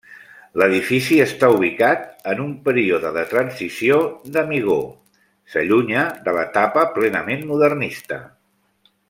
L'edifici està ubicat en un període de transició d'Amigó, s'allunya de l'etapa plenament modernista.